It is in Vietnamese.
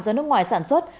do nước ngoài sản xuất